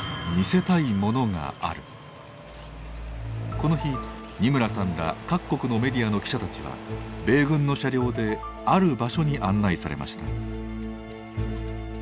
この日二村さんら各国のメディアの記者たちは米軍の車両である場所に案内されました。